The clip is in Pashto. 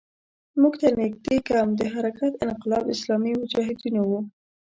موږ ته نږدې کمپ د حرکت انقلاب اسلامي مجاهدینو وو.